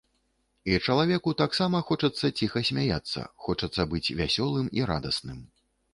І чалавеку таксама хочацца ціха смяяцца, хочацца быць вясёлым і радасным.